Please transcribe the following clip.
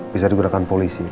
bisa digunakan polisi